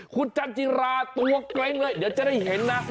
คุณจันจิราตัวเกร็งเลยเดี๋ยวจะได้เห็นนะ